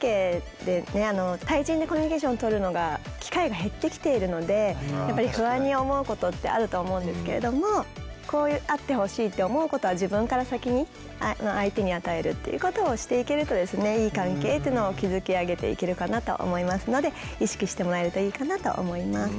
対人でコミュニケーションとるのが機会が減ってきているのでやっぱり不安に思うことってあると思うんですけれどもこうあってほしいって思うことは自分から先に相手に与えるっていうことをしていけるといい関係っていうのを築き上げていけるかなと思いますので意識してもらえるといいかなと思います。